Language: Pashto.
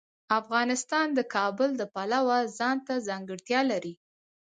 افغانستان د کابل د پلوه ځانته ځانګړتیا لري.